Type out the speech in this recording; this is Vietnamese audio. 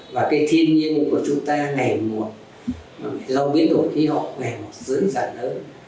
và cái thiên nhiên của chúng ta ngày một do biến đổi khí hậu ngày một dưới dàn lớn